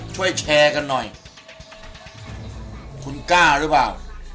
ช่วยแชร์กันหน่อยคุณกล้าหรือเปล่า